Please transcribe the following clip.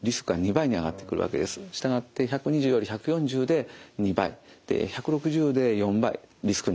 従って１２０より１４０で２倍１６０で４倍リスクになると。